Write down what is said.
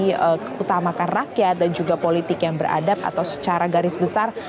diutamakan rakyat dan juga politik yang beradab atau secara garis besar